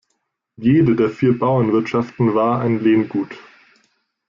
Jede der vier Bauernwirtschaften war ein Lehngut.